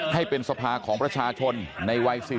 ให้เป็นสภาของประชาชนในวัย๔๐